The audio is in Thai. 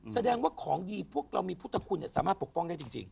แสดงว่าของดีพวกเรามีพุทธคุณสามารถปกป้องได้จริง